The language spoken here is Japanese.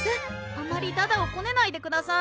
あまりだだをこねないでください